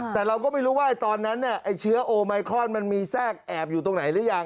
แต่เราก็ไม่รู้ว่าตอนนั้นไอ้เชื้อโอไมครอนมันมีแทรกแอบอยู่ตรงไหนหรือยัง